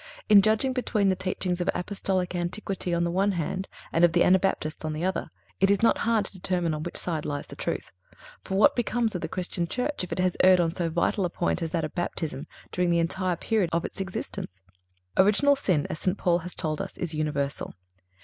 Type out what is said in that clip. In judging between the teachings of Apostolical antiquity on the one hand and of the Anabaptists on the other, it is not hard to determine on which side lies the truth; for, what becomes of the Christian Church, if it has erred on so vital a point as that of Baptism during the entire period of its existence? Original sin, as St. Paul has told us, is universal.